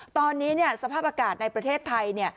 ตอนนี้สภาพอากาศในประเทศไทย